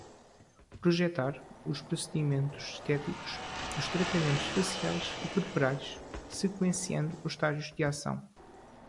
Projetar os procedimentos estéticos dos tratamentos faciais e corporais, sequenciando os estágios de ação.